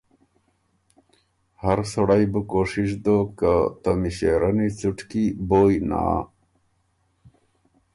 هر سړئ بُو کوشش دوک که ته مݭېرنی څُټکی بویٛ نا